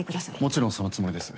もちろんそのつもりです。